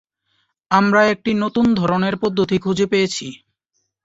আমরা একটি নতুন ধরনের পদ্ধতি খুঁজে পেয়েছি।